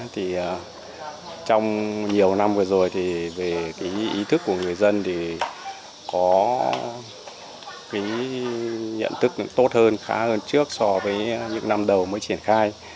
trong nhiều năm vừa rồi ý thức của người dân có nhận thức tốt hơn khá hơn trước so với những năm đầu mới triển khai